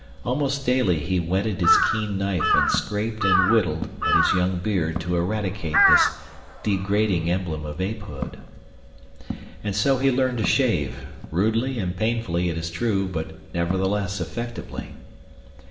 Almost daily he whetted his keen knife and scraped and whittled at his young beard to eradicate this degrading emblem of apehood. And so he learned to shave—rudely and painfully, it is true—but, nevertheless, effectively.